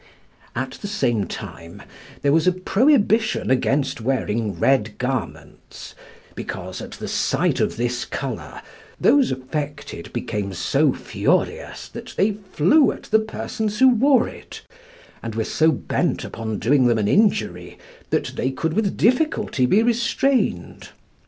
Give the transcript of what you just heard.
At the same time there was a prohibition against wearing red garments, because, at the sight of this colour, those affected became so furious that they flew at the persons who wore it, and were so bent upon doing them an injury that they could with difficulty be restrained.